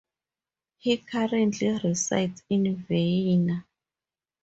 He currently resides in Vienna.